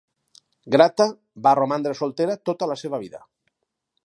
Grata va romandre soltera tota la seva vida.